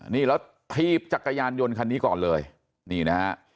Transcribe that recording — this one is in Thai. นี่แล้วถีบจักรยานยนต์คันนี้ก่อนเลยนี่นะฮะ